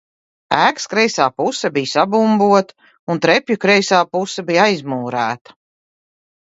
Ēkas kreisā puse bija sabumbota un trepju kreisā puse bija aizmūrēta.